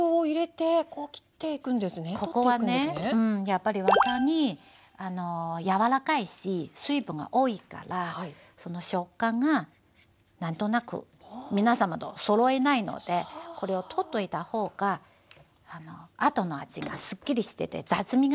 やっぱりワタに柔らかいし水分が多いから食感が何となく皆様とそろえないのでこれを取っといた方が後の味がすっきりしてて雑味がないものにします。